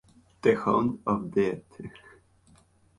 The Hound of Death.